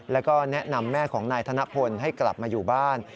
แล้วก็แนะนำแม่ของนายธนพลให้กลับมาอยู่บ้าน